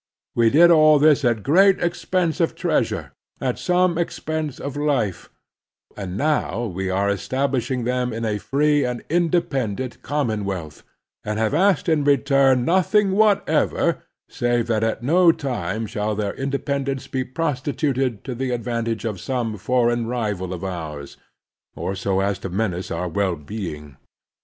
We did all this at great expense of treasure, at some expense of life ; and now we are establish ing them in a free and independent common wealth, and have asked in return nothing whatever save that at no time shall their independence be prostituted to the advantage of some foreign rival of ours, or so as to menace our well being.